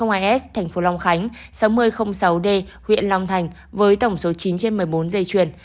và sáu nghìn hai s tp long khánh sáu nghìn sáu d huyện long thành với tổng số chín trên một mươi bốn dây chuyền